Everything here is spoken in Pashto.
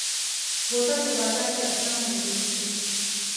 بوتل په بازار کې اسانه موندل کېږي.